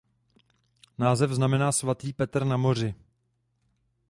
Název znamená "Svatý Petr na moři".